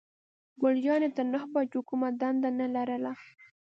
ګل جانې تر نهو بجو کومه دنده نه لرله.